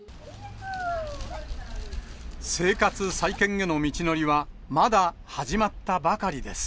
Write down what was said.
生活再建への道のりは、まだ始まったばかりです。